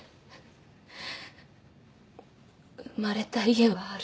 生まれた家はある？